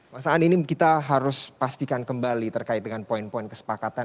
mas aan ini kita harus pastikan kembali terkait dengan poin poin kesepakatan